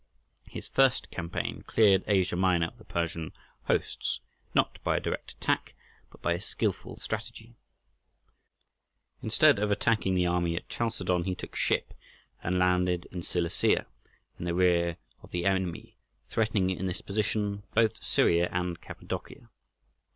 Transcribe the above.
His first campaign cleared Asia Minor of the Persian hosts, not by a direct attack, but by skilful strategy. Instead of attacking the army at Chalcedon, he took ship and landed in Cilicia, in the rear of the enemy, threatening in this position both Syria and Cappadocia.